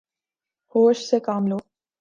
ہوش سے کام لو